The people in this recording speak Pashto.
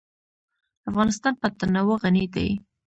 افغانستان په تنوع غني دی.